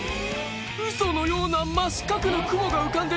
ウソのような真四角の雲が浮かんでる！